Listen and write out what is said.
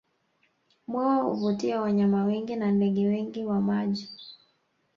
Bwawa huvutia wanyama wengi na ndege wengi wa maji